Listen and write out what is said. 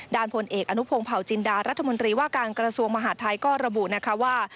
ผลเอกอนุพงศ์เผาจินดารัฐมนตรีว่าการกระทรวงมหาดไทยก็ระบุนะคะว่า